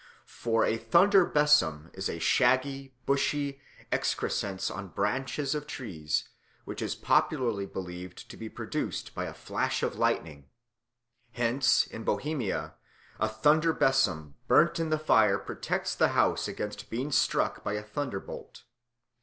For a thunder besom is a shaggy, bushy excrescence on branches of trees, which is popularly believed to be produced by a flash of lightning; hence in Bohemia a thunder besom burnt in the fire protects the house against being struck by a thunder bolt.